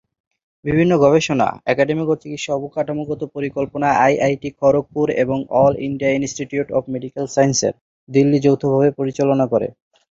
বিভিন্ন গবেষণা, একাডেমিক ও চিকিৎসা অবকাঠামোগত পরিকল্পনা আইআইটি খড়গপুর এবং all India institute of medical sciences, Delhi যৌথভাবে পরিচালনা করে।